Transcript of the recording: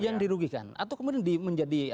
yang dirugikan atau kemudian menjadi